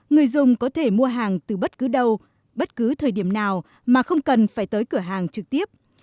người dùng có thể mua hàng từ bất cứ đâu bất cứ thời điểm nào mà không cần phải tới cửa hàng trực tiếp